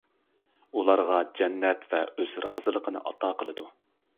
ئۇلارغا جەننەت ۋە ئۆز رازىلىقىنى ئاتا قىلىدۇ.